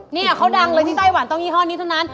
เนี่ยเขาดังเลยที่ไต้หวันต้องยี่ห้อนี้เท่านั้น